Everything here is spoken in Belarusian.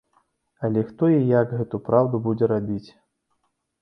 Але хто і як гэту працу будзе рабіць?